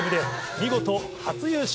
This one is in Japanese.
見事初優勝。